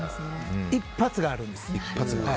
一発があるんです。